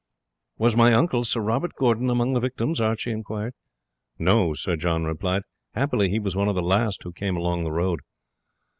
"Was my uncle, Sir Robert Gordon, among the victims?" Archie inquired. "No," Sir John replied; "happily he was one of the last who came along the road."